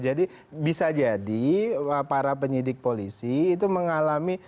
jadi bisa jadi para penyidik polisi itu mengalami